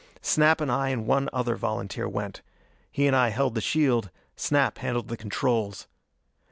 Snap and I and one other volunteer went. He and I held the shield; Snap handled the controls.